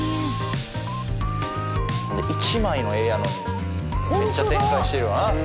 １枚の画やのにめっちゃ展開してるわ。